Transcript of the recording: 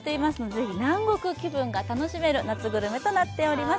ぜひ南国気分が楽しめる夏グルメとなっています。